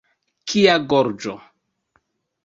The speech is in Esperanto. Kia gorĝo!